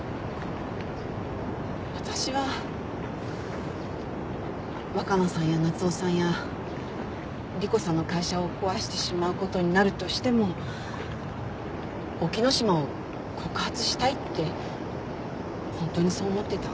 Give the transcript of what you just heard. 私は若菜さんや夏雄さんや莉湖さんの会社を壊してしまうことになるとしても沖野島を告発したいってホントにそう思ってた。